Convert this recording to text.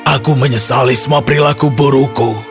aku menyesali semua perilaku buruku